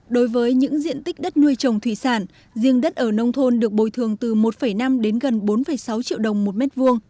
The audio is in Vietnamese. đối với những diện tích đất nuôi trồng thủy sản riêng đất ở nông thôn được bồi thường từ một năm đến gần bốn sáu triệu đồng một mét vuông